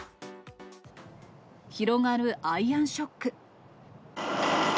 広がるアイアンショック。